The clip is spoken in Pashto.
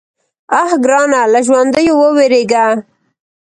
_اه ګرانه! له ژونديو ووېرېږه.